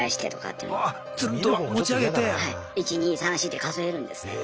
１２３４って数えるんですね。